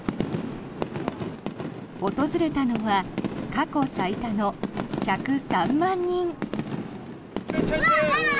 訪れたのは過去最多の１０３万人。